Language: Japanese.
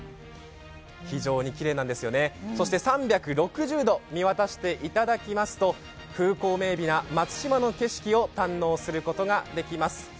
非常にきれいなんですよね、そして３６０度見渡していただきますと風光明美な松島の景色を堪能することができます。